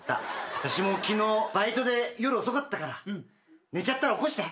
私も昨日バイトで夜遅かったから寝ちゃったら起こして。